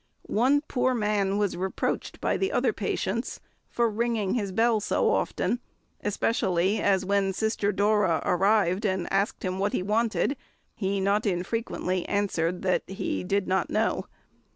One poor man was reproached by the other patients for ringing his bell so often, especially as when Sister Dora arrived and asked him what he wanted, he not infrequently answered that he did not know.